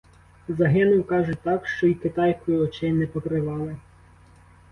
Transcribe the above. Загинув, кажуть, так, що й китайкою очей не покривали.